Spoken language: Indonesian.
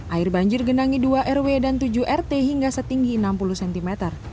air banjir gendangi dua rw dan tujuh rt hingga setinggi enam puluh cm